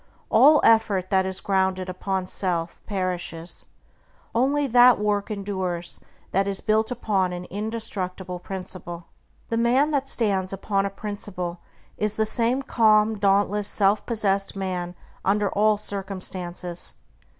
All effort that is grounded upon self, perishes; only that work endures that is built upon an indestructible principle. The man that stands upon a principle is the same calm, dauntless, self possessed man under all circumstances.